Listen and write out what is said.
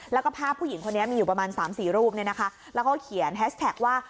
แล้วก็ภาพผู้หญิงคนนี้มีอยู่ประมาณสามสี่รูปเนี่ยนะคะแล้วก็เขียนแฮชแท็กว่า